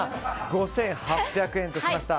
５８００円としました。